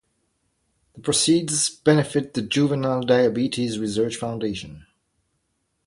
The proceeds benefit the Juvenile Diabetes Research Foundation.